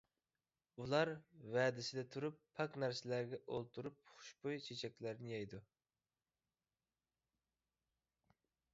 ئۇلار ۋەدىسىدە تۇرۇپ، پاك نەرسىلەرگە ئولتۇرۇپ، خۇشبۇي چېچەكلەردىن يەيدۇ.